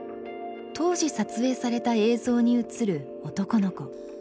当時撮影された映像に写る男の子。